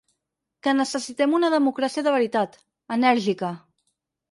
Que necessitem una democràcia de veritat, enèrgica.